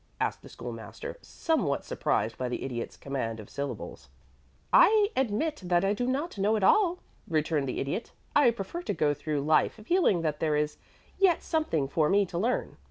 asked the School master, somewhat surprised by the Idiot's command of syllables. "I admit that I do not know it all," returned the Idiot. "I prefer to go through life feeling that there is yet something for me to learn.